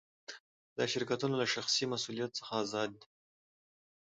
دا شرکتونه له شخصي مسوولیت څخه آزاد وي.